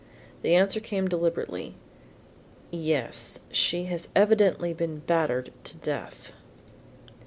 The answer came deliberately, "Yes, she has evidently been battered to death."